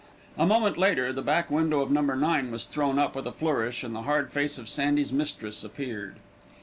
A moment later, the back window of No. 9 was thrown up with a flourish, and the hard face of Sandy's mistress appeared.